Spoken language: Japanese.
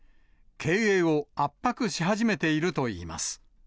経営を圧迫し始めているといいます。